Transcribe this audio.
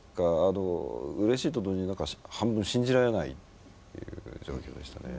うれしいと同時に半分信じられない状況でしたね。